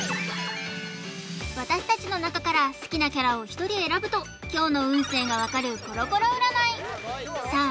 私達の中から好きなキャラを１人選ぶと今日の運勢が分かるコロコロ占いさあ